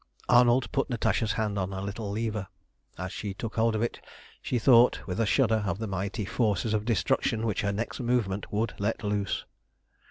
Arnold put Natasha's hand on a little lever. As she took hold of it she thought with a shudder of the mighty forces of destruction which her next movement would let loose.